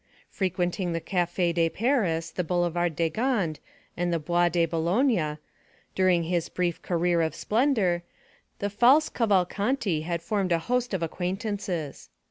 Frequenting the Café de Paris, the Boulevard de Gand, and the Bois de Boulogne, during his brief career of splendor, the false Cavalcanti had formed a host of acquaintances.